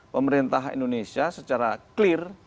pemerintah indonesia secara clear